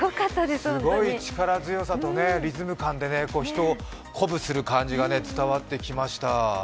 力強さとリズム感で人を鼓舞する感じが伝わってきました。